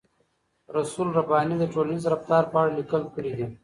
رسول رباني د ټولنیز رفتار په اړه لیکل کړي دي.